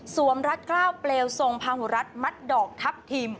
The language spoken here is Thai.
รัฐกล้าวเปลวทรงพาหุรัฐมัดดอกทัพทิม